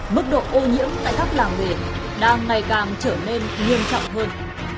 mức độ ô nhiễm tại các làng nghề đang ngày càng trở nên nghiêm trọng hơn